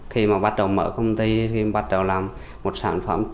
khi mà bắt đầu mở công ty khi mà bắt đầu làm một sản phẩm